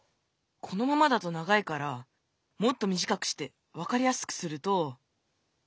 このままだと長いからもっとみじかくして分かりやすくすると。